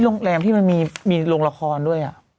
โรงแรมที่มันมีโรงละครด้วย